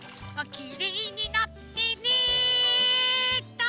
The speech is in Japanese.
「きれいになってね」っと！